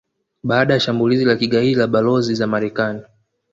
baada ya shambulizi la kigaidi la balozi za Marekani